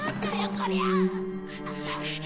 こりゃ！